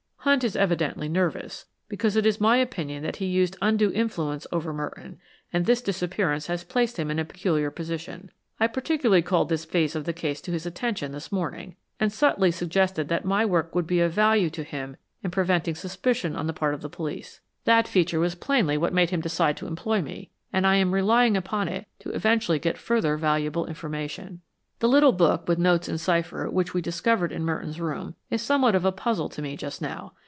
Hunt is evidently nervous, because it is my opinion that he used undue influence over Merton, and this disappearance has placed him in a peculiar position. I particularly called this phase of the case to his attention this morning, and subtly suggested that my work would be of value to him in preventing suspicion on the part of the police. That feature was plainly what made him decide to employ me, and I am relying upon it to eventually get further valuable information." "The little book, with notes in cipher, which we discovered in Merton's room, is somewhat of a puzzle to me just now.